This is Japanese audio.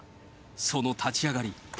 その立ち上がり。